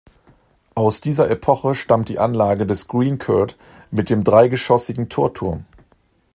Aus dieser Epoche stammt die Anlage des "Green Court" mit dem dreigeschossigen Torturm.